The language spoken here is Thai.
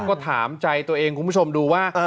ก็ถามใจตัวเองคุณผู้ชมดูว่า